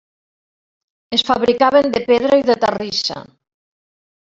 Es fabricaven de pedra i de terrissa.